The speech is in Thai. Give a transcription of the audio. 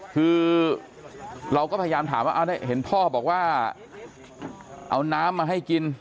คือเราก็พยายามถามว่าเห็นพ่อบอกว่าเอาน้ำมาให้กิน